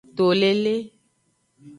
To lele.